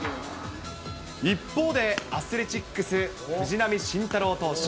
一方で、アスレチックス、藤浪晋太郎投手。